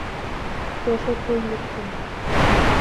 Кӧ шотлен луктын?